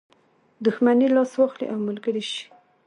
دښمني لاس واخلي او ملګری شي.